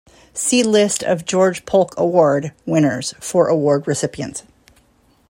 See list of George Polk Award winners for award recipients.